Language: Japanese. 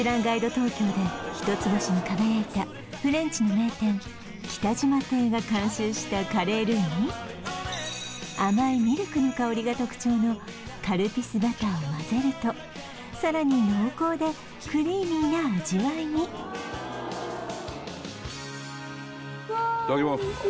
東京で一つ星に輝いたフレンチの名店北島亭が監修したカレールーに甘いミルクの香りが特徴のカルピスバターを混ぜるとさらに濃厚でクリーミーな味わいにいただきます